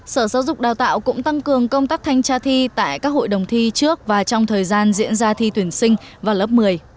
sở giáo dục đào tạo cũng tăng cường công tác thanh tra thi tại các hội đồng thi trước và trong thời gian diễn ra thi tuyển sinh vào lớp một mươi